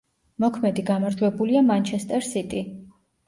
მოქმედი გამარჯვებულია „მანჩესტერ სიტი“.